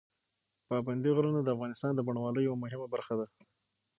پابندي غرونه د افغانستان د بڼوالۍ یوه مهمه برخه ده.